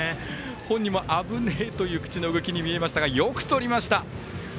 本人も、あぶねえという口の動きに見えましたがよくとりました。